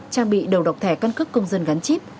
trang bị đầu độc thẻ căn cước công dân gắn chip